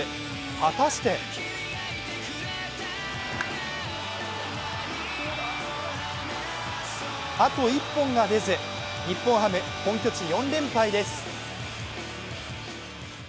果たしてあと１本が出ず、日本ハム、本拠地４連敗です。